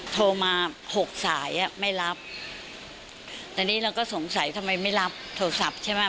โทรมาหกสายอ่ะไม่รับแต่นี่เราก็สงสัยทำไมไม่รับโทรศัพท์ใช่ไหม